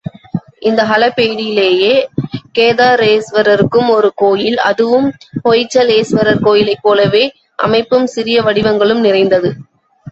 இந்த ஹலபேடிலேயே, கேதாரேஸ்வரருக்கும் ஒரு கோயில், அதுவும் ஹொய்சலேஸ்வரர் கோயிலைப் போலவே அமைப்பும் சிற்ப வடிவங்களும் நிறைந்தது.